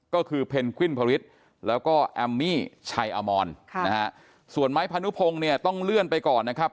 ก็คือเพนกวินพริษแล้วก็แอมมี่ชัยอมอนค่ะนะฮะส่วนไม้พานุพงศ์เนี่ยต้องเลื่อนไปก่อนนะครับ